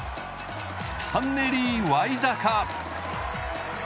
スタンネリー・ワイザカ。